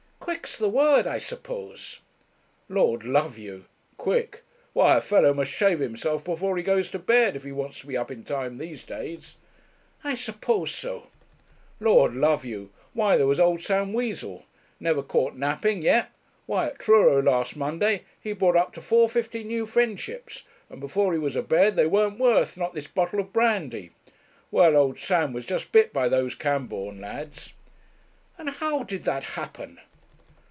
'Quick's the word, I suppose.' 'Lord love you! Quick! Why, a fellow must shave himself before he goes to bed if he wants to be up in time these days.' 'I suppose so.' 'Lord love you! why there was old Sam Weazle; never caught napping yet why at Truro, last Monday, he bought up to 450 New Friendships, and before he was a bed they weren't worth, not this bottle of brandy. Well, old Sam was just bit by those Cambourne lads.' 'And how did that happen?'